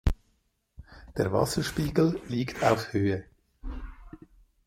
Der Wasserspiegel liegt auf Höhe.